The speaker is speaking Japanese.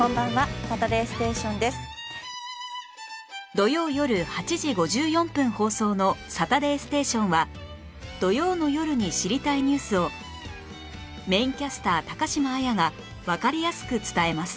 土曜よる８時５４分放送の『サタデーステーション』は土曜の夜に知りたいニュースをメインキャスター高島彩がわかりやすく伝えます